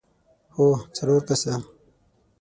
هو، څلور کسه!